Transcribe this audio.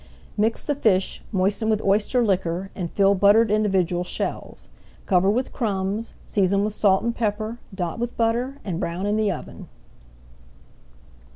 Mix the fish, moisten with oyster liquor, and fill buttered individual shells. Cover with crumbs, season with salt and pepper, dot with butter, and brown in the oven.